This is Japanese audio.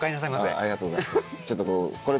ありがとうございます。